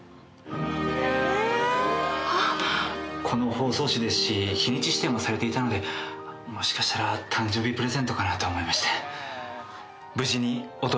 この包装紙ですし日にち指定もされていたのでもしかしたら誕生日プレゼントかなと思いまして。